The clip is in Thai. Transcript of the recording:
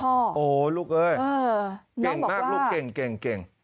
โอ้โหลูกเอ้ยเก่งมากลูกเก่ง